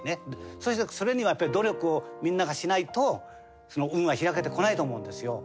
そしてそれにはやっぱり努力をみんながしないと運は開けてこないと思うんですよ。